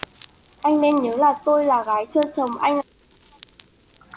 Anh nên nhớ là tôi là gái chưa chồng anh làm như vậy